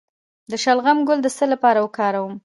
د شلغم ګل د څه لپاره وکاروم؟